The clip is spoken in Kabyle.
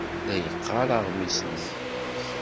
La yeqqar aɣmis-nni.